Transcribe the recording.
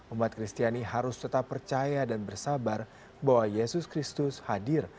umat kristiani harus tetap percaya dan bersabar bahwa yesus kristus hadir